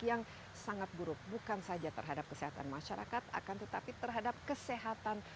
yang sangat buruk bukan saja terhadap kesehatan masyarakat akan tetapi terhadap kesehatan